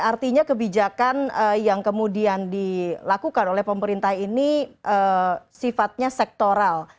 artinya kebijakan yang kemudian dilakukan oleh pemerintah ini sifatnya sektoral